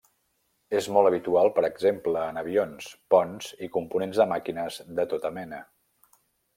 És molt habitual, per exemple, en avions, ponts i components de màquines de tota mena.